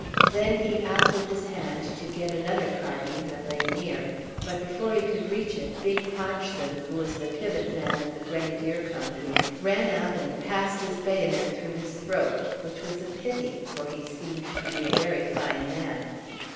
Then he out with his hand to get another carbine that lay near, but before he could reach it big Hodgson, who was the pivot man of the Grenadier company, ran out and passed his bayonet through his throat, which was a pity, for he seemed to be a very fine man.